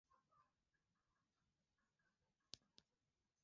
aliamuru kiasi cha wanajeshi mia saba hamsini wa Marekani nchini Somalia